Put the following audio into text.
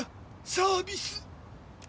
サービス。